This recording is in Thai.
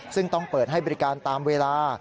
ซึ่งต้องเปิดให้บริการตามเวลา